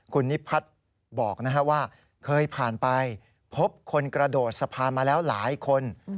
คุณนิพัฒน์บอกว่าเคยผ่านไปพบคนกระโดดสะพานมาแล้วหลายคน